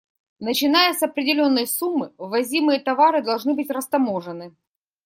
Начиная с определённой суммы, ввозимые товары должны быть растаможены.